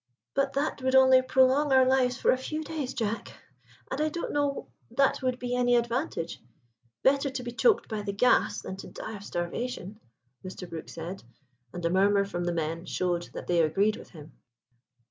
"But that would only prolong our lives for a few days, Jack, and I don't know that would be any advantage. Better to be choked by the gas than to die of starvation," Mr. Brook said; and a murmur from the men showed that they agreed with him.